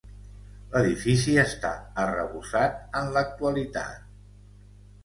L'edifici està arrebossat en l'actualitat.